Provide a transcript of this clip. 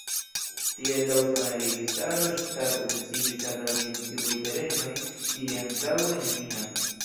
Tiel la usona registaro, ŝtato deziris agadi en tiuj terenoj, kie antaŭe neniam.